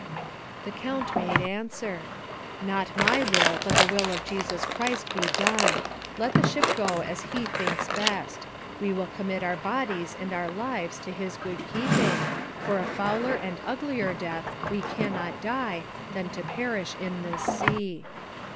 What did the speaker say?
The Count made answer, "Not my will, but the will of Jesus Christ be done. Let the ship go as He thinks best. We will commit our bodies and our lives to His good keeping, for a fouler and an uglier death we cannot die, than to perish in this sea."